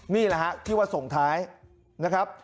นี่แหละฮะที่ว่าส่งท้ายนะครับ